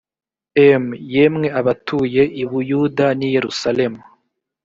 m yemwe abatuye i buyuda n i yerusalemu